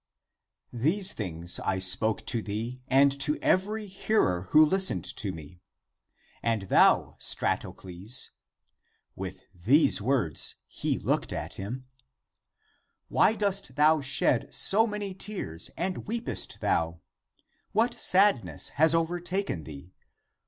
" These things I spoke to thee and to every hearer who Hstened to me. And thou, Stratocles "^— with these words he looked at him —" why dost thou shed so many tears and weepest thou ? What sadness has overtaken thee?